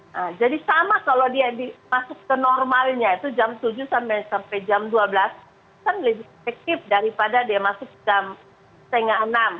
nah jadi sama kalau dia masuk ke normalnya itu jam tujuh sampai jam dua belas kan lebih efektif daripada dia masuk jam setengah enam